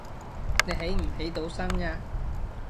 你起唔起到身呀